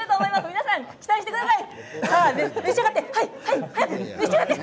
皆さん期待してください。